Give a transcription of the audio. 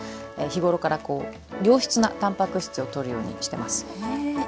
日頃から良質なたんぱく質をとるようにしてます。